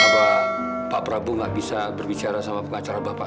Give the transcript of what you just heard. apa pak prabu gak bisa berbicara sama pengacara bapak